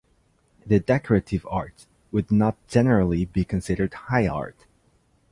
The decorative arts would not generally be considered High Art.